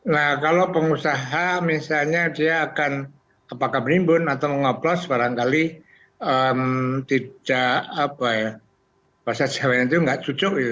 nah kalau pengusaha misalnya dia akan apakah menimbun atau mengoplos barangkali tidak apa ya bahasa jawanya itu nggak cocok